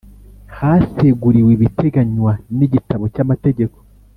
Haseguriwe ibiteganywa n igitabo cy amategeko